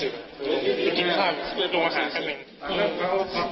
หรือทิศภาพหรือตรงวันศาสตร์สิ่งหนึ่ง